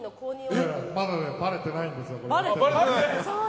まだばれてないんですよね。